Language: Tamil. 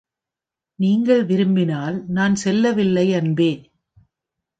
நீங்கள் விரும்பினால் நான் செல்லவில்லை, அன்பே.